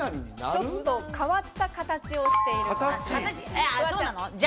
ちょっと変わった形をしている感じ。